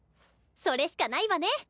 それしかないわね。